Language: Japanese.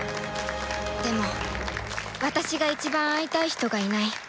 でも私が一番会いたい人がいない